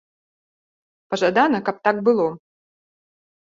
Пажадана, каб так было.